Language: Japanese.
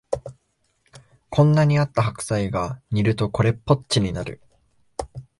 こんなにあった白菜が煮るとこれっぽっちになる